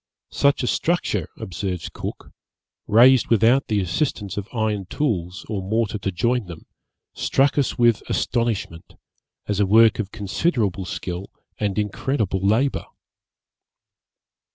Such a structure, observes Cook, raised without the assistance of iron tools, or mortar to join them, struck us with astonishment, as a work of considerable skill and incredible labour.